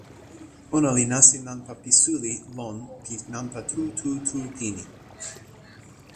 ona li nasin nanpa pi suli lon pi nanpa tu tu tu pini.